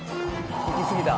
行き過ぎた？